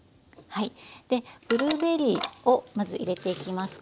ブルーベリーをまず入れていきます。